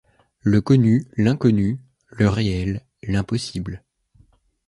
Le connu, l’inconnu, le réel, l’impossible.